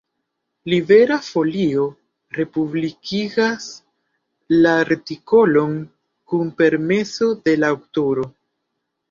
Libera Folio republikigas la artikolon kun permeso de la aŭtoro.